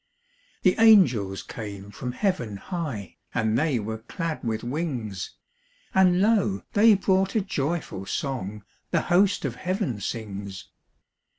The angels came from heaven high, And they were clad with wings; And lo, they brought a joyful song The host of heaven sings.